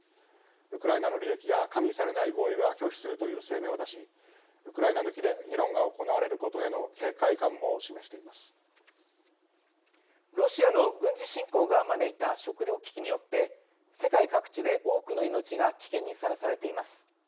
ウクライナの利益が加味されない合意は拒否する」という声明を出しウクライナ抜きで議論が行われることへのロシアの軍事侵攻が招いた食糧危機によって世界各地で多くの命が危険にさらされています。